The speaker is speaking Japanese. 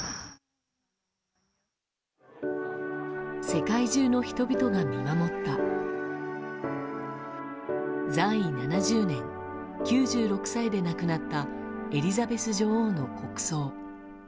世界中の人々が見守った在位７０年、９６歳で亡くなったエリザベス女王の国葬。